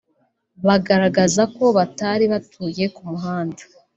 bagaragaza ko batari batuye ku muhanda